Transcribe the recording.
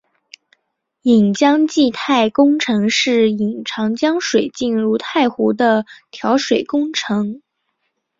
引江济太工程是引长江水进入太湖的调水工程。